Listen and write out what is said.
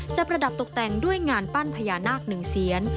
ประดับตกแต่งด้วยงานปั้นพญานาคหนึ่งเซียน